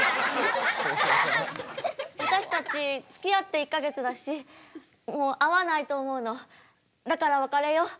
私たちつきあって１か月だし合わないと思うのだから別れよう。